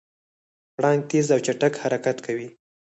پړانګ تېز او چټک حرکت کوي.